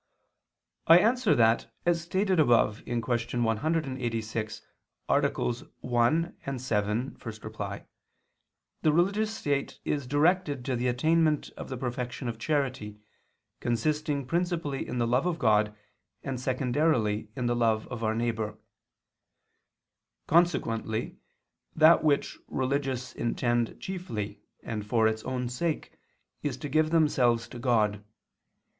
I answer that, As stated above (Q. 186, AA. 1, 7, ad 1), the religious state is directed to the attainment of the perfection of charity, consisting principally in the love of God and secondarily in the love of our neighbor. Consequently that which religious intend chiefly and for its own sake is to give themselves to God.